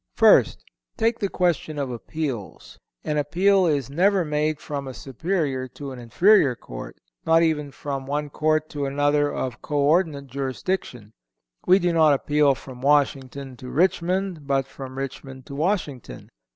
First—Take the question of appeals. An appeal is never made from a superior to an inferior court, nor even from one court to another of co ordinate jurisdiction. We do not appeal from Washington to Richmond, but from Richmond to Washington.